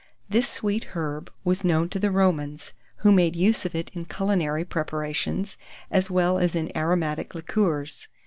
This sweet herb was known to the Romans, who made use of it in culinary preparations, as well as in aromatic liqueurs.